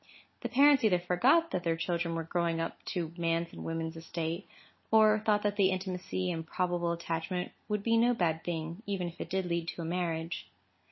The parents either forgot that their children were growing up to man's and woman's estate, or thought that the intimacy and probable attachment would be no bad thing, even if it did lead to a marriage.